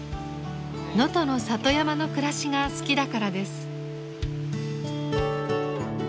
能登の里山の暮らしが好きだからです。